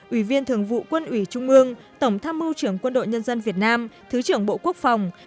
ủy viên thường vụ quân ủy trung mương tổng tham mưu trưởng quân đội nhân dân việt nam thứ trưởng bộ quốc phòng